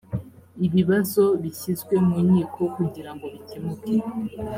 ibibazo bishyizwe mu nkiko kugira ngo bikemuke